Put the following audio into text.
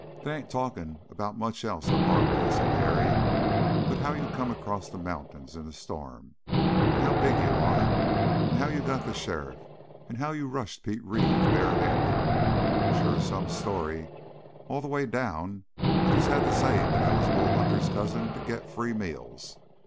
"They ain't talking about much else up our way," said Harry, "but how you come across the mountains in the storm, and how big you are, and how you got the sheriff, and how you rushed Pete Reeve bare handed. Sure is some story! All the way down I just had to say that I was Bull Hunter's cousin to get free meals!"